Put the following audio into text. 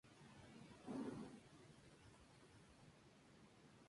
Los datos son transferidos en las subidas y las bajadas.